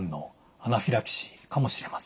アナフィラキシーかもしれません。